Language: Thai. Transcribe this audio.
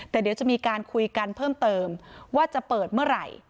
แต่เดี๋ยวจะมีการคุยกันเพิ่มเติมว่าจะเปิดเมื่อไหร่